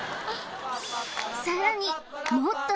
さらに